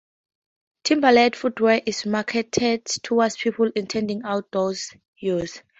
Timberland footwear is marketed towards people intending outdoor use.